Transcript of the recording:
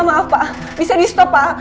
maaf pak bisa di stop pak